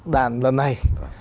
đàn lần này